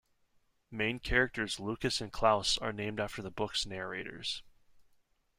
Main characters Lucas and Claus are named after the book's narrators.